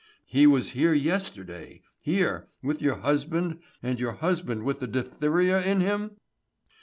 "He was here yesterday here, with your husband, and your husband with the diphtheria on him?"